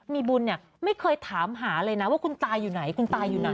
มีบุญไม่เคยถามหาเลยนะว่าคุณตายอยู่ไหน